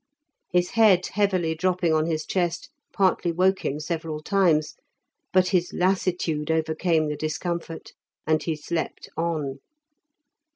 His head heavily dropping on his chest partly woke him several times, but his lassitude overcame the discomfort, and he slept on.